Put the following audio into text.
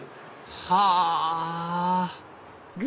はぁ！